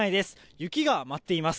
雪が舞っています。